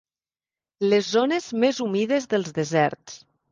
Les zones més humides dels deserts.